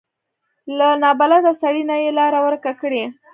له نابلده سړي نه یې لاره ورکه کړي.